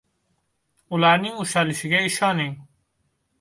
Ularning ushalishiga ishoning